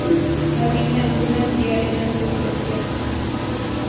Habita en dunas y arenas del desierto.